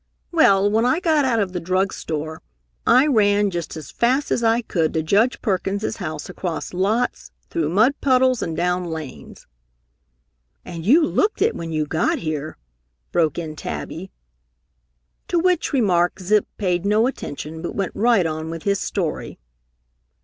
"Well, when I got out of the drug store, I ran just as fast as I could to Judge Perkins' house across lots, through mud puddles and down lanes." "And you looked it when you got here!" broke in Tabby. To which remark Zip paid no attention, but went right on with his story.